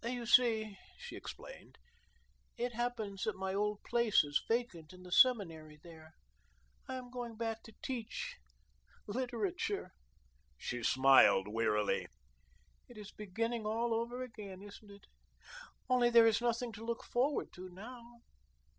"You see," she explained, "it happens that my old place is vacant in the Seminary there. I am going back to teach literature." She smiled wearily. "It is beginning all over again, isn't it? Only there is nothing to look forward to now.